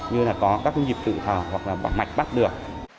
như là có các nhịp tự thở hoặc là bắt mạch bắt được